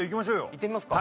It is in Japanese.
いってみますか。